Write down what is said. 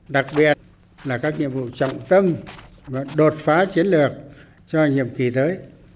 đặc biệt là các nhiệm vụ trọng tâm và đột phá chiến lược cho nhiệm kỳ tới